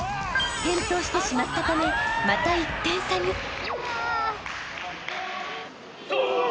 ［転倒してしまったためまた１点差に］